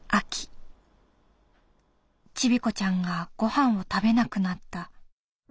チビコちゃんがごはんを食べなくなった。